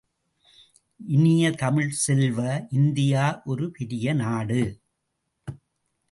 இனிய தமிழ்ச் செல்வ, இந்தியா ஒரு பெரிய நாடு.